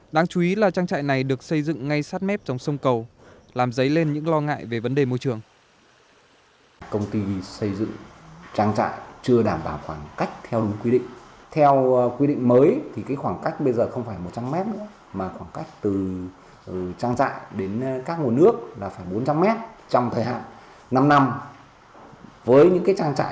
đáng chú ý là trang trại này được xây dựng ngay sát mép trong sông cầu làm dấy lên những lo ngại về vấn đề môi trường